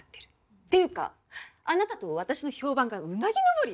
っていうかあなたと私の評判がうなぎ登りよ。